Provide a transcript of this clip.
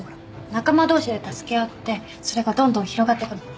仲間同士で助け合ってそれがどんどん広がってくの。